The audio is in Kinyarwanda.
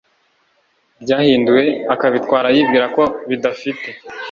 byahinduwe akabitwara yibwira ko bidafite